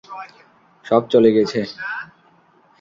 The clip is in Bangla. সব চলে গেছে।